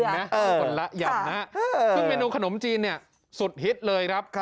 คนละยำนะซึ่งเมนูขนมจีนเนี่ยสุดฮิตเลยครับ